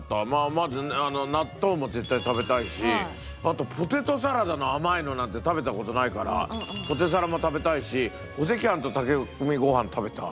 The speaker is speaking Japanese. まずあの納豆も絶対食べたいしあとポテトサラダの甘いのなんて食べた事ないからポテサラも食べたいしお赤飯と炊き込みご飯食べたい。